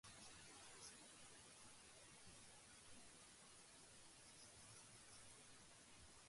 The project posed the challenge by involving high bridges, viaducts and tunnels.